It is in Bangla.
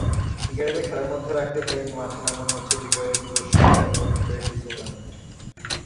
ক্রিকেটারদের খেলার মধ্যে রাখতে তাই মাঠে নামানো হচ্ছে বিজয় দিবস টি-টোয়েন্টি টুর্নামেন্ট।